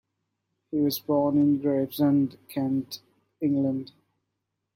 He was born in Gravesend, Kent, England.